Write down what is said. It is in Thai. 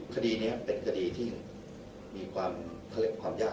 คดีนี้เป็นคดีที่มีความยาก